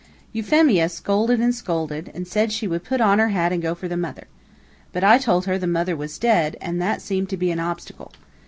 Euphemia scolded and scolded, and said she would put on her hat and go for the mother. But I told her the mother was dead, and that seemed to be an obstacle.